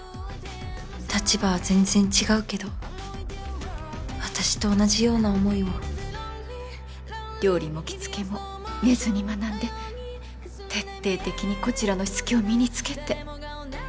立場は全然違うけど私と同じような思いを料理も着付けも寝ずに学んで徹底的にこちらのしつけを身に付けて。